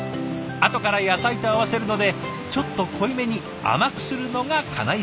後から野菜と合わせるのでちょっと濃いめに甘くするのが金井さん流。